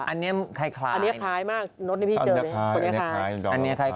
อันนี้คล้ายอันนี้คล้ายมากรถนี่พี่เจอเลยคนนี้คล้าย